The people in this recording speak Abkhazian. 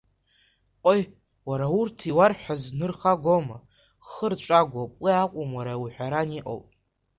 Ҟои, уара, урҭ иуарҳәаз нырхагоума, хырҵәагоуп, уи акәым уара иуҳәаран иҟоу.